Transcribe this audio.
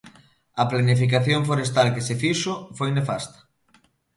A planificación forestal que se fixo foi nefasta.